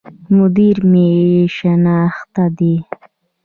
مدير مي شناخته دی